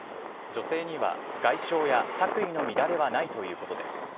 女性には外傷や着衣の乱れはないということです。